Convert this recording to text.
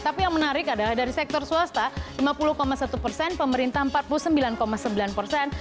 tapi yang menarik adalah dari sektor swasta lima puluh satu persen pemerintah empat puluh sembilan sembilan persen